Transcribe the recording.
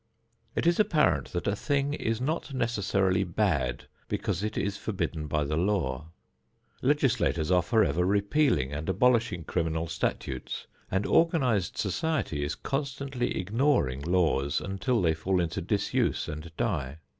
It is apparent that a thing is not necessarily bad because it is forbidden by the law. Legislators are forever repealing and abolishing criminal statutes, and organized society is constantly ignoring laws, until they fall into disuse and die.